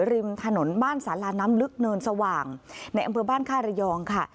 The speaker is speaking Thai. ริมถนนบ้านสาลาน้ำลึกเนินสว่างในอำเภอบ้านค่ายระยองค่ะ